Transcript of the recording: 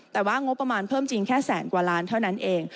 แต่ว่างบประมาณเพิ่มจริงแค่แสนกว่าล้านเท่านั้นเอง